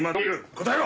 答えろ！